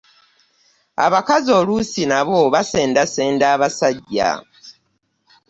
Abakazi oluusi nabo basendasenda abasajja.